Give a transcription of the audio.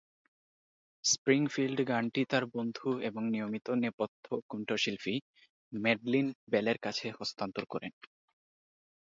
Springfield গানটি তার বন্ধু এবং নিয়মিত নেপথ্য কণ্ঠশিল্পী ম্যাডলিন বেলের কাছে হস্তান্তর করেন।